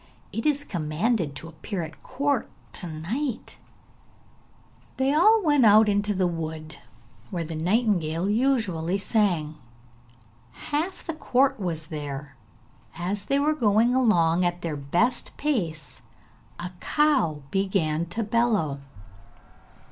It is commanded to appear at court to night.' Then they all went out into the wood where the nightingale usually sang. Half the court was there. As they were going along at their best pace a cow began to bellow.